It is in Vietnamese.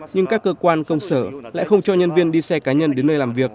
nhưng các cơ quan công sở lại không cho nhân viên đi xe cá nhân đến nơi làm việc